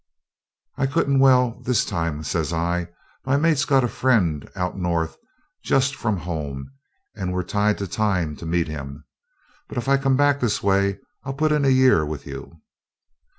'I couldn't well this time,' says I; 'my mate's got a friend out north just from home, and we're tied to time to meet him. But if I come back this way I'll put in a year with you.'